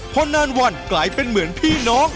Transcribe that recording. พอนานวันกลายเป็นเหมือนพี่น้อง